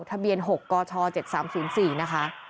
ทะเบียน๖กช๗๓๐๔นะคะ